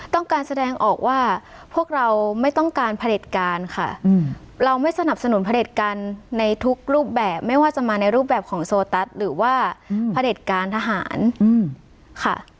ต้องการแสดงออกว่าพวกเราไม่ต้องการผลิตการค่ะเราไม่สนับสนุนผลิตการในทุกรูปแบบไม่ว่าจะมาในรูปแบบของโซตัสหรือว่าผลิตการทหารค่ะ